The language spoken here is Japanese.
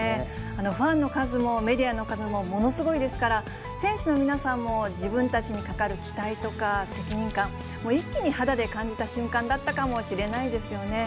ファンの数もメディアの数も、ものすごいですから、選手の皆さんも自分たちにかかる期待とか責任感、一気に肌で感じた瞬間だったかもしれないですよね。